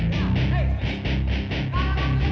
sampai jumpa lagi